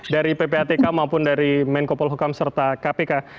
dari ppatk maupun dari menkopol hukam serta kpk